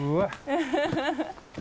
ウフフフ。